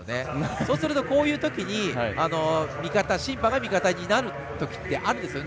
そうすると、こういうときに審判が味方になるときってあるんですよね。